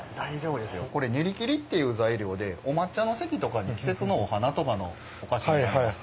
これ練り切りっていう材料でお抹茶の席とかに季節のお花とかのお菓子になります。